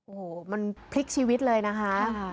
โอ้โหมันพลิกชีวิตเลยนะคะ